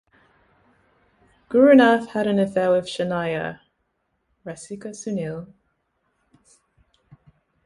Gurunath had an affair with Shanaya (Rasika Sunil).